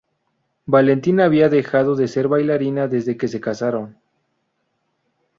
Valentina había dejado de ser bailarina desde que se casaron.